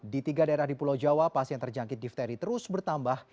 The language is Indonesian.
di tiga daerah di pulau jawa pasien terjangkit difteri terus bertambah